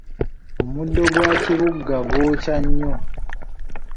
Omuddo gwa kibugga gwokya nnyo.